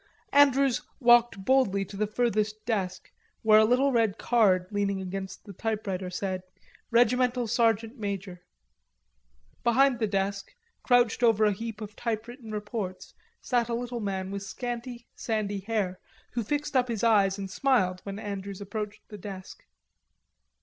Andrews walked boldly to the furthest desk, where a little red card leaning against the typewriter said "Regimental Sergeant Major." Behind the desk, crouched over a heap of typewritten reports, sat a little man with scanty sandy hair, who screwed up his eyes and smiled when Andrews approached the desk.